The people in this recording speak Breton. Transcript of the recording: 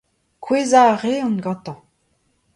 Kouezhañ a reont gantañ.